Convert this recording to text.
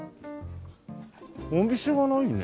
お店がないね